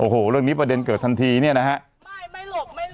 โอ้โหเรื่องนี้ประเด็นเกิดทันทีเนี่ยนะฮะไม่ไม่หลบไม่หลบ